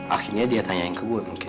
akhirnya dia tanyain ke gue mungkin